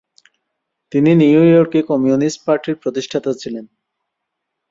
তিনি নিউ ইয়র্কে কমিউনিস্ট পার্টির প্রতিষ্ঠাতা ছিলেন।